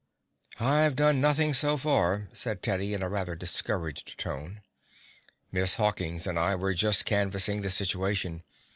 "I've done nothing so far," said Teddy in a rather discouraged tone. "Miss Hawkins and I were just canvassing the situation.